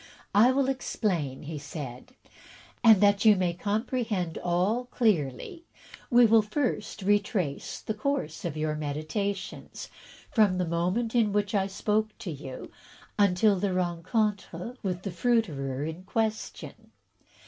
"I will explain," he said, "and, that you may comprehend all clearly, we will first retrace the course of your meditations, from the moment in which I spoke to you until that of the rencontre with the fruiterer in question.